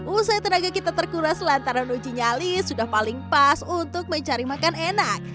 usai tenaga kita terkuras lantaran uji nyali sudah paling pas untuk mencari makan enak